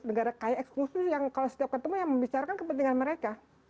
negara kaya eksklusif yang kalau setiap ketemu ya membicarakan kepentingan mereka